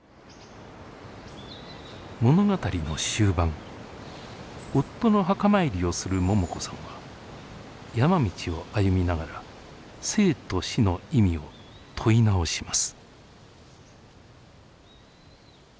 物語の終盤夫の墓参りをする桃子さんは山道を歩みながら生と死の意味を問い直します。